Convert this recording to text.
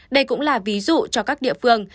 đây cũng là ví dụ cho các địa phương